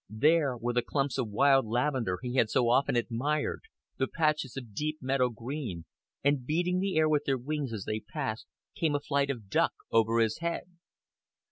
There were the clumps of wild lavender he had so often admired, the patches of deep meadow green, and, beating the air with their wings as they passed, came a flight of duck over his head.